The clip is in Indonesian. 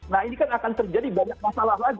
nah ini kan akan terjadi banyak masalah lagi